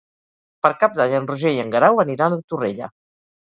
Per Cap d'Any en Roger i en Guerau aniran a Torrella.